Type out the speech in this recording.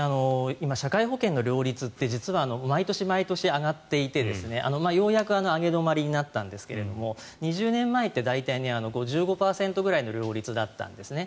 今、社会保険の料率って実は、毎年毎年上がっていてようやく上げ止まりになったんですが２０年前って大体５５％ぐらいの料率だったんですね。